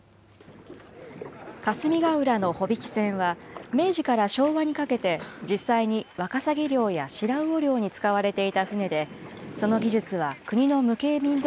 霞ヶ浦の帆引き船は、明治から昭和にかけて、実際にワカサギ漁やシラウオ漁に使われていた船で、その技術は国の無形民俗